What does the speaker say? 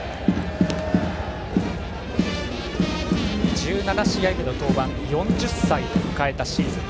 １７試合目の登板４０歳を迎えたシーズン。